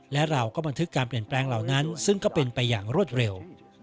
และเราก็บันทึกการเปลี่ยนแปลงเหล่านั้นซึ่งก็เป็นไปอย่างรวดเร็ว